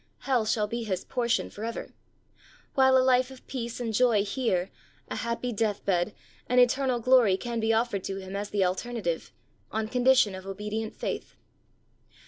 Hell shall be his portion forever; while a life of peace and joy here, a happy death bed, and eternal glory can be offered to him as the alternative, on condition of obedient faith.